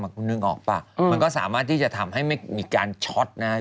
มันก็สามารถที่จะทำให้ไม่มีการความทรนได้